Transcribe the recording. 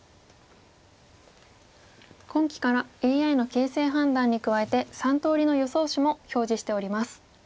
今期からＡＩの形勢判断に加えて３通りの予想手も表示しております。